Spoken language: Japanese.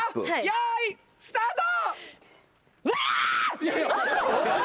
よいスタート！